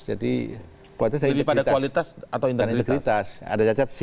jadi kualitas atau integritas